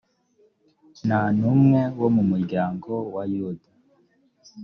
nta numwe wo mu muryango wa yuda